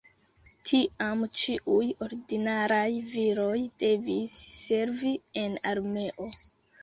Tiam ĉiuj ordinaraj viroj devis servi en armeo.